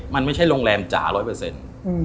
มันไม่ใช่โรงแรมจ๋าร้อยเปอร์เซ็นต์